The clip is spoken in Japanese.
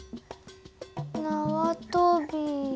なわとび